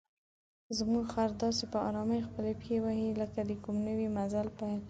زموږ خر داسې په آرامۍ خپلې پښې وهي لکه د کوم نوي مزل پیل.